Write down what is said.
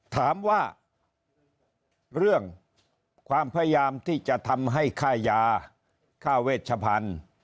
ถามว่าเรื่องความพยายามที่จะทำให้ค่ายาค่าเวชพันธุ์